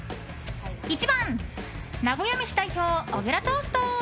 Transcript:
１番、名古屋メシ代表小倉トースト。